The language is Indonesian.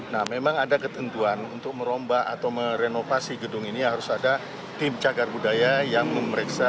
nah memang ada ketentuan untuk merombak atau merenovasi gedung ini harus ada tim cagar budaya yang memeriksa